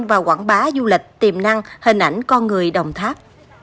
và quảng bá du lịch tiềm năng hình ảnh con người đồng tháp